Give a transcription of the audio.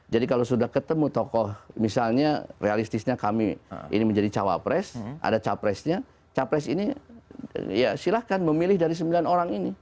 kalau sudah ketemu tokoh misalnya realistisnya kami ini menjadi cawapres ada capresnya capres ini ya silahkan memilih dari sembilan orang ini